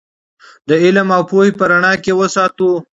د علم او پوهې په رڼا کې یې وساتو.